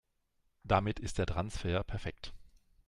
Damit ist der Transfer perfekt.